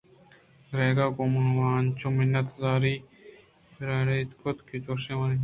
دراہگءَ گوں آوان انچوش منّتءُ زاریءُ پریات کُت کہ گُشئے آوانی پاد چہ زمینءَ سستگ اَنت